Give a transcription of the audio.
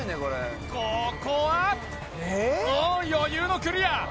ここはおっ余裕のクリア